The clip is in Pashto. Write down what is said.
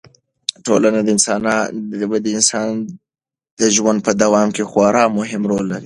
ټولنه د انسان د ژوند په دوام کې خورا مهم رول لري.